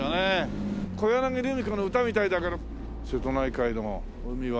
小柳ルミ子の歌みたいだから瀬戸内海の海は。